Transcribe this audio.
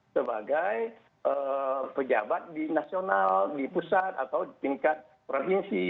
sebagai pejabat di nasional di pusat atau di tingkat provinsi